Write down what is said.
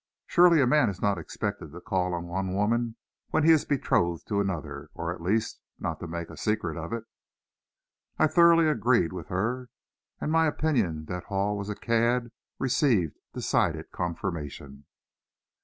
Surely a man is not expected to call on one woman when he is betrothed to another, or at least, not to make a secret of it." I thoroughly agreed with her, and my opinion that Hall was a cad received decided confirmation.